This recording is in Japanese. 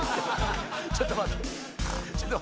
ちょっと待って。